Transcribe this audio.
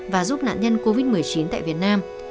và giúp nạn nhân covid một mươi chín tại việt nam